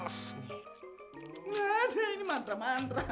nggak ada ini mantra mantra